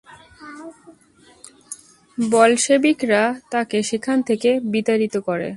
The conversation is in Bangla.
বলশেভিকরা তাকে সেখান থেকে বিতাড়িত করে।